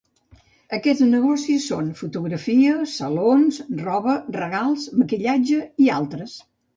Aquests negocis són: fotografia, salons, roba, regals, maquillatge i altres.